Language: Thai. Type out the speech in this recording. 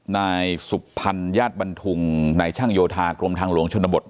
นายสุพรรณญาติบันทุงนายช่างโยธากรมทางหลวงชนบท